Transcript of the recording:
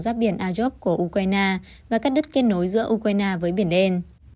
giáp biển agyov của ukraine và các đất kết nối giữa ukraine với biển đen